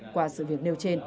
qua sự việc nêu trên